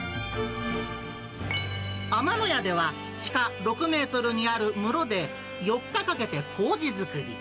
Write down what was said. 天野屋では、地下６メートルにある室で、４日かけてこうじ作り。